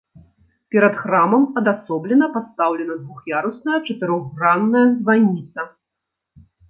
Перад храмам адасоблена пастаўлена двух'ярусная чатырохгранная званіца.